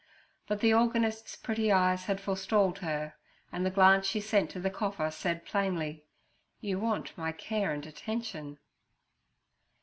But the organist's pretty eyes had forestalled her, and the glance she sent to the cougher said plainly: 'You want my care and attention.'